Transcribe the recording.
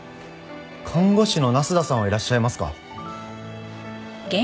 看護師の那須田さんはいらっしゃいますか？